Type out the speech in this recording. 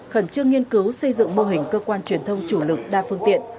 khẩn trương nghiên cứu xây dựng mô hình cơ quan truyền thông chủ lực đa phương tiện